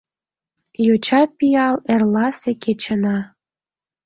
Йоча пиал — эрласе кечына.